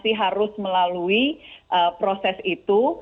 masih harus melalui proses itu